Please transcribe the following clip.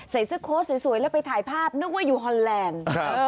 ใส่เสื้อโค้ดสวยแล้วไปถ่ายภาพนึกว่าอยู่ฮอนแลนด์